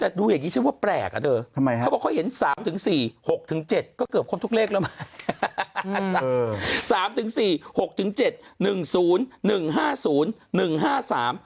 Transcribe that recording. แต่ดูอย่างงี้ฉันว่าแปลกอะเถอะเขาว่าเขาเห็น๓๔๖๗ก็เกือบความทุกเลขแล้วไหม